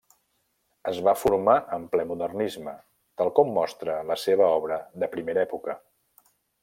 Es va formar en ple modernisme, tal com mostra la seva obra de primera època.